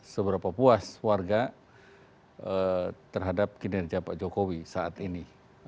seberapa puas warga terhadap kinerja pak jokowi saat ini